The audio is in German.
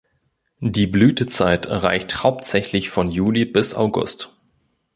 Die Blütezeit reicht hauptsächlich von Juli bis August.